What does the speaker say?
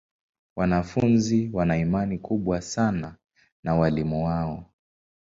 Wanafunzi wana imani kubwa sana na walimu wao.